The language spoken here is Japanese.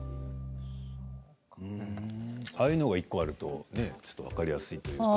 ああいうのが１個あると分かりやすいというか。